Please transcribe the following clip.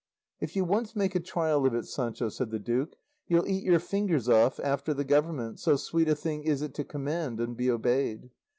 "If you once make trial of it, Sancho," said the duke, "you'll eat your fingers off after the government, so sweet a thing is it to command and be obeyed.